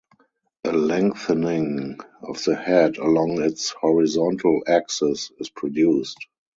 A lengthening of the head along its horizontal axis is produced.